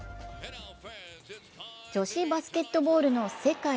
ジョシバスケットボールの世界